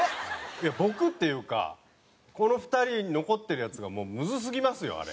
いや僕っていうかこの２人残ってるやつがもうむずすぎますよあれ。